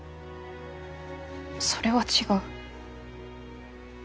それは違う。